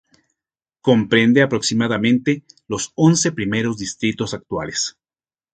Comprende aproximadamente los once primeros distritos actuales.